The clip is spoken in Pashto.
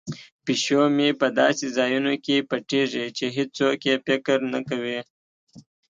پیشو مې په داسې ځایونو کې پټیږي چې هیڅوک یې فکر نه کوي.